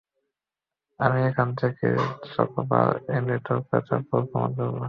আমি ওখান থেকে চকোবার এনে তোর কথা ভুল প্রমাণ করবো।